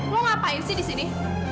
lo ngapain sih disini